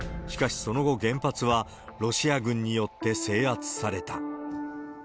しかしその後、原発はロシア軍によって制圧された。